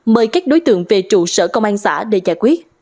mời các đối tượng về trụ sở công an xã để giải quyết